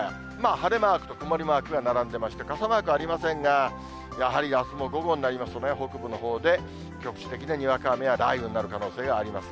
晴れマークと曇りマークが並んでまして、傘マークありませんが、やはりあすも午後になりますとね、北部のほうで局地的なにわか雨や雷雨になる可能性があります。